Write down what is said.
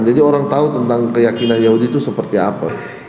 jadi orang tahu tentang keyakinan yahudi itu seperti apa